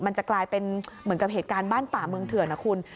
มันจะกลายเป็นเหมือนกับเหตุการณ์บ้านป่าเมืองเถื่อนนะคุณ